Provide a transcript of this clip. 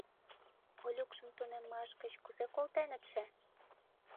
— Олюкшым тунеммаж гыч кузе колтенытше?